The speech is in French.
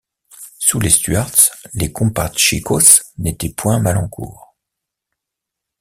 Sous les Stuarts, les comprachicos n’étaient point mal en cour.